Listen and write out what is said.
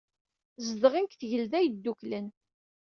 Zedɣen deg Tgelda Yedduklen.